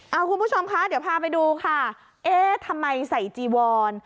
เอาคุณผู้ชมคะเดี๋ยวพาไปดูค่ะเอ๊ะทำไมใส่จีวอน